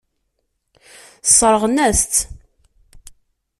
Sseṛɣen-as-tt.